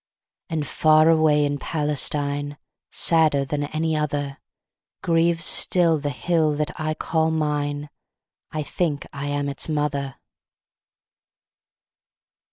And far away in Palestine, Sadder than any other, Grieves still the hill that I call mine, I think I am its mother!